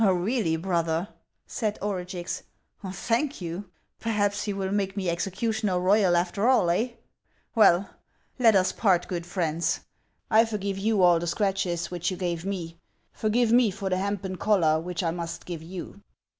" Eeally, brother ?" said Orugix. " Thank you ' Per haps he will make me executioner royal after all, eh ? Well, let us part good friends ! I forgive you all the scratches which you gave me ; forgive me for the hempen collar which I must give you."